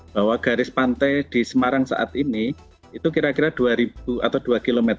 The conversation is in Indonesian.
bahwa garis pantai di semarang saat ini itu kira kira dua ribu atau dua km